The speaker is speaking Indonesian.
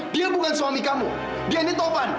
dia tuh taufan